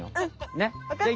ねっ。